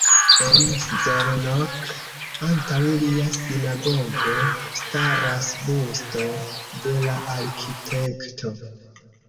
En Szolnok antaŭ lia sinagogo staras busto de la arkitekto.